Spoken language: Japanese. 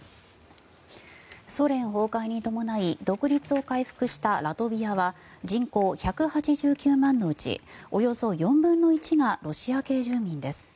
ソ連崩壊に伴い独立を回復したラトビアは人口１８９万のうちおよそ４分の１がロシア系住民です。